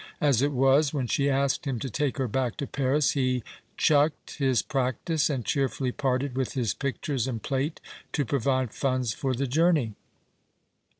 As it was, when she asked him to take her back to Paris he " chucked " his practice and cheerfully parted with his pictures and plate to provide funds for the journey.